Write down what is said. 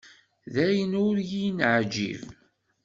D ayen ur yi-neɛǧib.